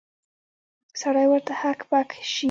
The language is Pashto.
سړی ورته هک پک شي.